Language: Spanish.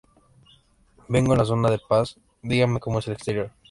Vengo en son de paz. Dígame como es el exterior.